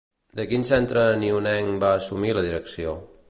De quin centre anoienc va assumir la direcció?